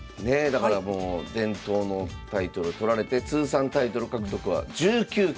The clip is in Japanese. だからもう伝統のタイトル取られて通算タイトル獲得は１９期。